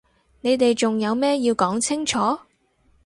我哋仲有咩要講清楚？